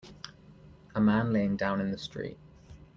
A man laying down in the street.